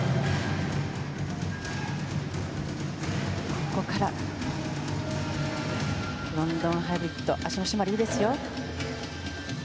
ここからロンドンハイブリッド脚の締まり、いいですよ。